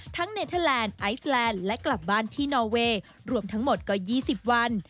เนเทอร์แลนด์ไอซแลนด์และกลับบ้านที่นอเวย์รวมทั้งหมดก็๒๐วัน